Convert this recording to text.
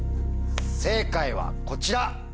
正解はこちら。